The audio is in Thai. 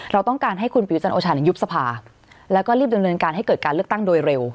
เราต้องการให้คุณประยุจันทร์โอชายุบสภาแล้วก็รีบดำเนินการให้เกิดการเลือกตั้งโดยเร็ว